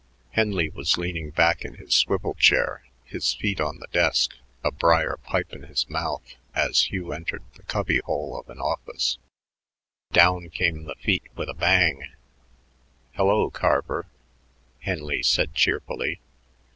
Henley was leaning back in his swivel chair, his feet on the desk, a brier pipe in his mouth, as Hugh entered the cubbyhole of an office. Down came the feet with a bang. "Hello, Carver," Henley said cheerfully.